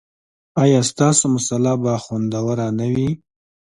ایا ستاسو مصاله به خوندوره نه وي؟